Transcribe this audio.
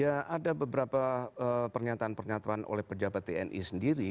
ya ada beberapa pernyataan pernyataan oleh pejabat tni sendiri